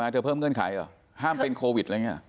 เพิ่มเงื่อนไขเหรอห้ามเป็นโควิดอะไรอย่างนี้